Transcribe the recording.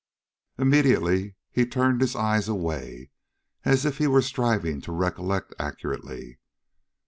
Immediately he turned his eyes away, as if he were striving to recollect accurately.